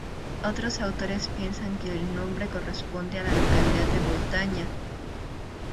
Otros autores piensan que el nombre corresponde a la localidad de Boltaña.